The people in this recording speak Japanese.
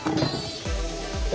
え？